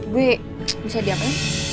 gue bisa diam ya